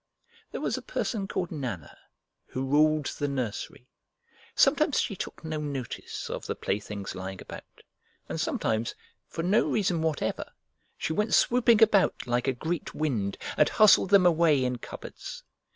There was a person called Nana who ruled the nursery. Sometimes she took no notice of the playthings lying about, and sometimes, for no reason whatever, she went swooping about like a great wind and hustled them away in cupboards.